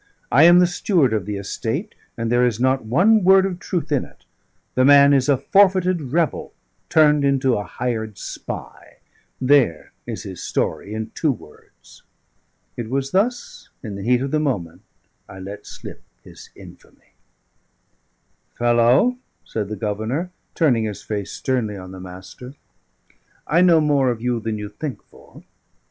I am the steward of the estate, and there is not one word of truth in it. The man is a forfeited rebel turned into a hired spy: there is his story in two words." It was thus (in the heat of the moment) I let slip his infamy. "Fellow," said the Governor, turning his face sternly on the Master, "I know more of you than you think for.